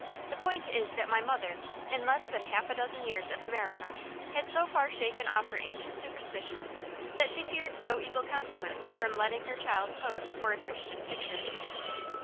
The point is that my mother, in less than half a dozen years of America, had so far shaken off her ancient superstitions that she feared no evil consequence from letting her child pose for a Christian picture.